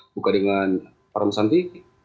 buka dengan pak ramusanti